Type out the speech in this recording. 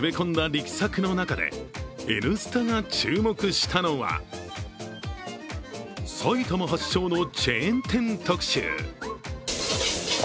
力作の中で「Ｎスタ」が注目したのは埼玉発祥のチェーン店特集。